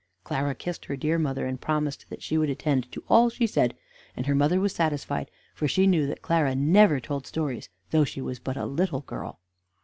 Clara kissed her dear mother, and promised that she would attend to all she said; and her mother was satisfied, for she knew that Clara never told stories, though she was but a little girl.